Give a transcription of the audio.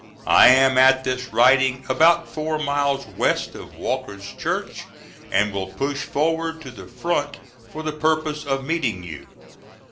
I am at this writing about four miles west of Walker's Church and will push forward to the front for the purpose of meeting you.